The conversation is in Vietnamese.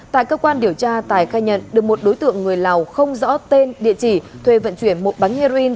tại cơ quan điều tra tài khai nhận được một đối tượng người lào không rõ tên địa chỉ thuê vận chuyển một bánh heroin